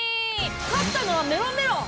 勝ったのは「メロンメロン」！